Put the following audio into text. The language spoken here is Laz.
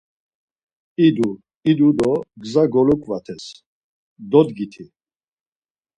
İdu idu do gza goluǩvates, Dodgiti!